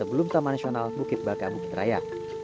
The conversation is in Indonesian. kami berada di desa taman nasional bukit baka bukit raya